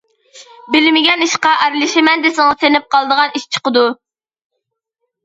بىلمىگەن ئىشقا ئارىلىشىمەن دېسىڭىز چېنىپ قالىدىغان ئىش چىقىدۇ.